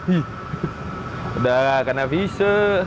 udah karena bisa